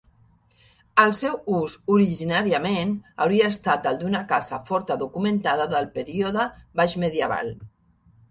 El seu ús originàriament hauria estat el d'una casa forta documentada del període baixmedieval.